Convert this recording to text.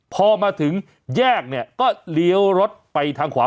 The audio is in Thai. พอมาถึงแยกเนี่ยก็เลี้ยวรถไปทางขวา